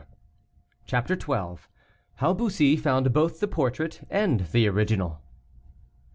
CHAPTER XII. HOW BUSSY FOUND BOTH THE PORTRAIT AND THE ORIGINAL.